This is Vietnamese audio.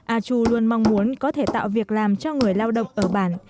a chu luôn mong muốn có thể tạo việc làm cho người lao động ở bản